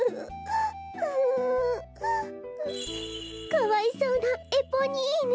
かわいそうなエポニーヌ。